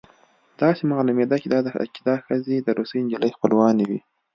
داسې معلومېده چې دا ښځې د روسۍ نجلۍ خپلوانې وې